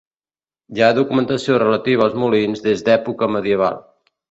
Hi ha documentació relativa als molins des d'època medieval.